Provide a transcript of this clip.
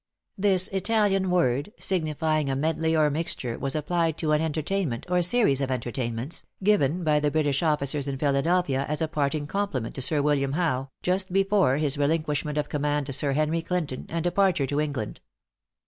This Italian word, signifying a medley or mixture, was applied to an entertainment, or series of entertainments, given by the British officers in Philadelphia as a parting compliment to Sir William Howe, just before his relinquishment of command to Sir Henry Clinton, and departure to England.